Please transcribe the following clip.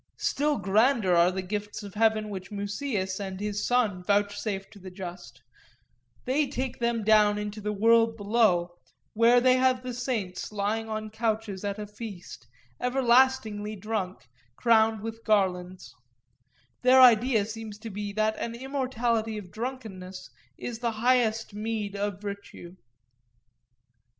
Still grander are the gifts of heaven which Musaeus and his son vouchsafe to the just; they take them down into the world below, where they have the saints lying on couches at a feast, everlastingly drunk, crowned with garlands; their idea seems to be that an immortality of drunkenness is the highest meed of virtue.